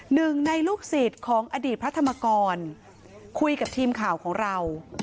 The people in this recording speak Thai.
หนึ่งในลูกศิษย์ของอดีตพระธรรมกรคุยกับทีมข่าวของเรา